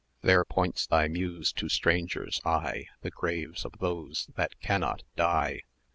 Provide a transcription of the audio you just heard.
There points thy Muse to stranger's eye[cq] The graves of those that cannot die!